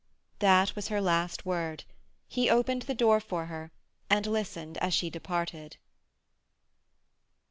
That was her last word. He opened the door for her, and listened as she departed.